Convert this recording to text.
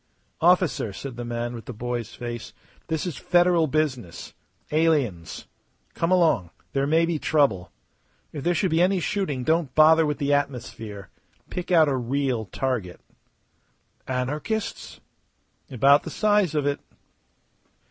"Officer," said the man with the boy's face, "this is Federal business. Aliens. Come along. There may be trouble. If there should be any shooting don't bother with the atmosphere. Pick out a real target." "Anarchists?" "About the size of it."